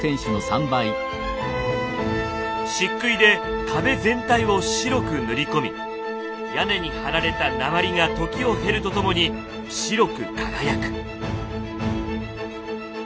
漆喰で壁全体を白く塗り込み屋根に張られた鉛が時を経るとともに白く輝く。